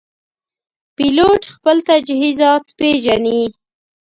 پیلوټ خپل تجهیزات پېژني.